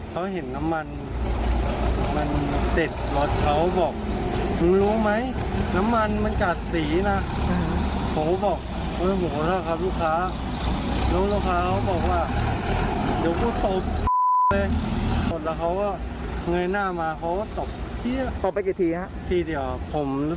ผมมีหน้าที่ยังไม่ดีพอ